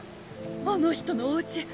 あの人のおうち